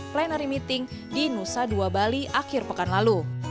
plenary meeting di nusa dua bali akhir pekan lalu